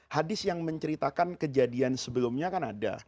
hadis yang menceritakan kejadian sebelumnya kan ada